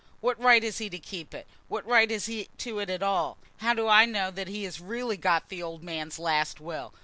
"What right has he to keep it? What right has he to it at all? How do I know that he has really got the old man's last will?